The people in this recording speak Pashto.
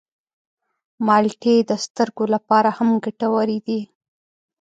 مالټې د سترګو لپاره هم ګټورې دي.